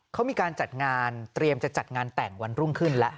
เขามีการจัดงานเตรียมจะจัดงานแต่งวันรุ่งขึ้นแล้ว